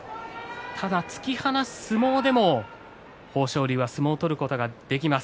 ただ突き放す相撲でも豊昇龍は相撲を取ることができます。